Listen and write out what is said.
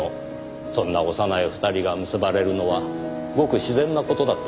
そんな幼い２人が結ばれるのはごく自然な事だったでしょう。